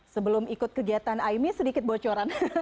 sebelum ikut kegiatan aimi sedikit bocoran